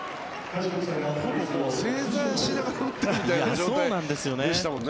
正座しながら打ってるみたいな感じでしたもんね。